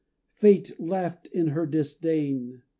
Fate laughed in her disdain.